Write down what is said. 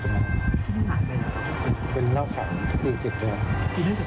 ก็เราจำได้ไหมจำไม่ได้